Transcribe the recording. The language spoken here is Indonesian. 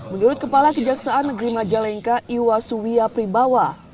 menurut kepala kejaksaan negeri majalengka iwasuwia primbawa